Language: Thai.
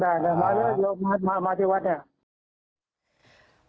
ได้เลยครับมาที่วัดเนี่ย